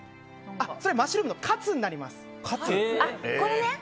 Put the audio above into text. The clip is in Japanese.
それはマッシュルームのカツになります。